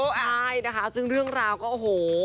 ใช่นะคะซึ่งเรื่องราวก็โอ้โห